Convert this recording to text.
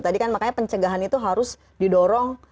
tadi kan makanya pencegahan itu harus didorong